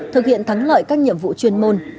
thực hiện thắng lợi các nhiệm vụ chuyên môn